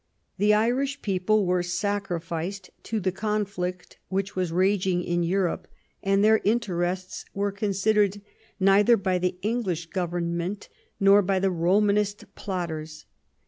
The Irish people were sacrificed to the con flict which was raging in Europe, and their interests were considered neither by the English Government nor by the Romanist plotters.